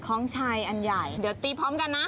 ของชัยอันใหญ่เดี๋ยวตีพร้อมกันนะ